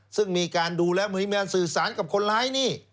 ซึ่งมีการดูแล้วเหมือนมีการสื่อสารกับคนร้ายนี่